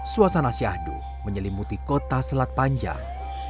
suasana syahdu menyelimuti kota selat panjang